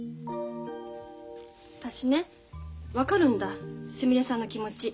私ね分かるんだすみれさんの気持ち。